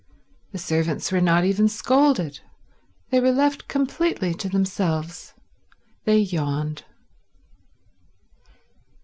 The servants were not even scolded. They were left completely to themselves. They yawned.